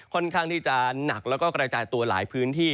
ค่อนข้างที่จะหนักแล้วก็กระจายตัวหลายพื้นที่